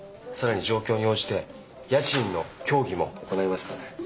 更に状況に応じて家賃の協議も行いますので。